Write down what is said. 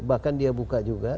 bahkan dia buka juga